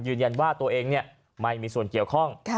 ยืนยันว่าตัวเองไม่มีส่วนเกี่ยวข้อง